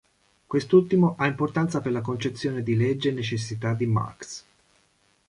Quest'ultimo ha importanza per la concezione di legge e necessità di Marx.